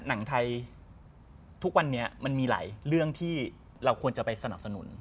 หนังไทยทุกวันนี้มันมีหลายเรื่องที่เราควรจะไปสนับสนุน